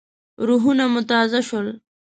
روحونه مو تازه شول.